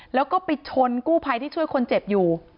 แล้วก็ไปชนกู้ภัยที่ช่วยคนเจ็บอยู่